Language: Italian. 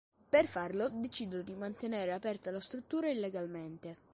Per farlo, decidono di mantenere aperta la struttura illegalmente.